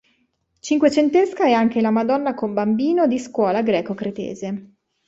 Cinquecentesca è anche la "Madonna con Bambino" di scuola greco-cretese.